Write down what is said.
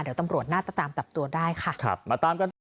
เดี๋ยวตำรวจน่าจะตามตับตัวได้ค่ะ